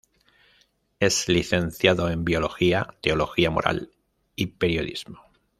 Es licenciado en Biología, Teología Moral y Periodismo.